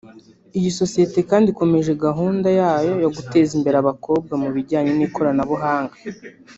Iyi sosiyete kandi ikomeje gahunda yayo yo guteza imbere abakobwa mu bijyanye n’ikoranabuhanga